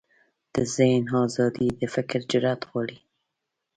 د ذهن ازادي د فکر جرئت غواړي.